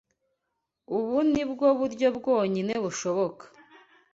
Ubu ni bwo buryo bwonyine bushoboka.